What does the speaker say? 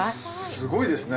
すごいですね